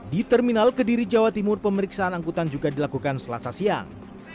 di terminal kediri jawa timur pemeriksaan angkutan juga dilakukan selasa siang